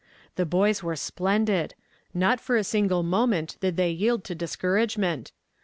Ihe hojs were splendid! Not for a single mo ment did they yield to discouragement.